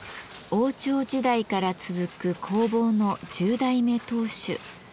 王朝時代から続く工房の１０代目当主知念冬馬さん。